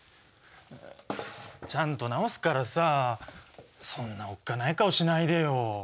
ちゃんと直すからさそんなおっかない顔しないでよ。